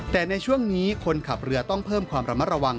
แต่ในช่วงนี้คนขับเรือต้องเพิ่มความระมัดระวัง